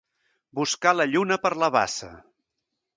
Buscar la lluna per la bassa.